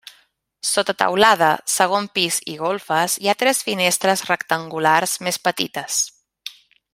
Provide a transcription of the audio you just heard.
Sota teulada, segon pis i golfes, hi ha tres finestres rectangulars més petites.